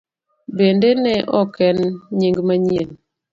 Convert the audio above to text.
Bende ne ok en nying manyien.